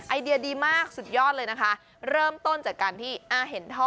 ไอเดียดีมากสุดยอดเลยนะคะเริ่มต้นจากการที่อ่าเห็นท่อ